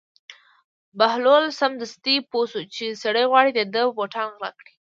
بهلول سمدستي پوه شو چې سړی غواړي د ده بوټان غلا کړي.